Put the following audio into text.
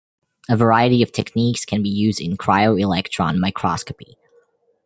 A variety of techniques can be used in cryoelectron microscopy.